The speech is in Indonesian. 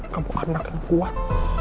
kamu anak yang kuat